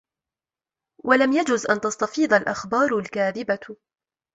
وَلَمْ يَجُزْ أَنْ تَسْتَفِيضَ الْأَخْبَارُ الْكَاذِبَةُ